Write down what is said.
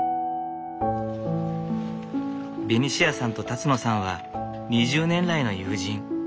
ベニシアさんと辰野さんは２０年来の友人。